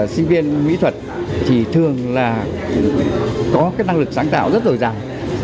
sinh viên mỹ thuật thì thường là có cái năng lực sáng tạo rất rồi rằng